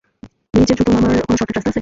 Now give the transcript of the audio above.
নিচে দ্রুত নামার কোনও শর্টকার্ট রাস্তা আছে?